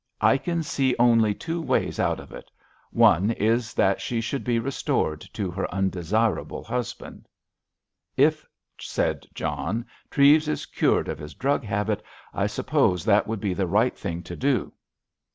"I can see only two ways out of it. One is that she should be restored to her undesirable husband." "If," said John, "Treves is cured of his drug habit, I suppose that would be the right thing to do."